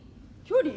距離？